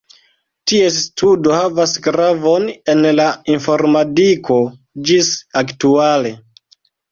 Ties studo havas gravon en la informadiko ĝis aktuale.